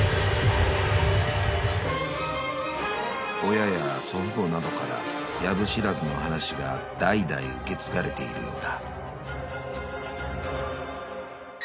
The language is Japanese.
［親や祖父母などから藪知らずの話が代々受け継がれているようだ］